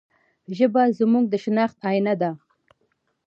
ژبه زموږ د شناخت آینه ده.